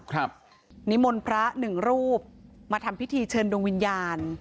นิมนต์พระหนึ่งรูปมาทำพิธีเชิญดวงวิญญาณ